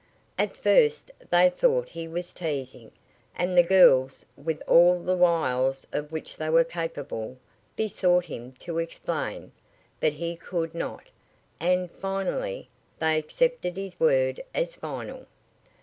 At first they thought he was teasing, and the girls, with, all the wiles of which they were capable, besought him to explain, but he could not, and, finally, they accepted his word as final.